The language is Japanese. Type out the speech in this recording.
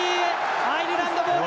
アイルランドボール。